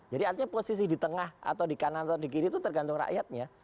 jadi artinya posisi di tengah atau di kanan atau di kiri itu tergantung rakyatnya